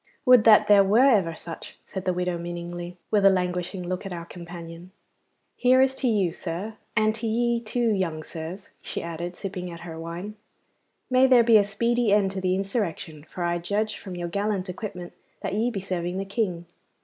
'Would that there were ever such,' said the widow meaningly, with a languishing look at our companion. 'Here is to you, sir and to ye, too, young sirs,' she added, sipping at her wine. 'May there be a speedy end to the insurrection, for I judge, from your gallant equipment, that ye be serving the King.